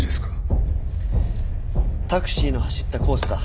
タクシーの走ったコースだ。